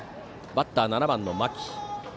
バッターは７番、牧。